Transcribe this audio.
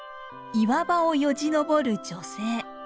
岩場をよじ登る女性。